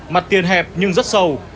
mặt tiền hẹp nhưng rất sâu